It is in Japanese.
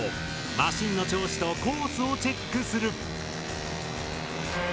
マシンの調子とコースをチェックする。